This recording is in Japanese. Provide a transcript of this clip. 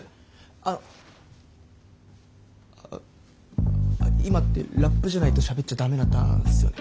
あっ今ってラップじゃないとしゃべっちゃ駄目なターンっすよね？